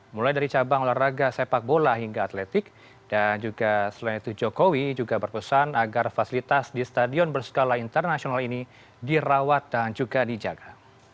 mulai dari cabang olahraga sepak bola hingga atletik dan juga selain itu jokowi juga berpesan agar fasilitas di stadion berskala internasional ini dirawat dan juga dijaga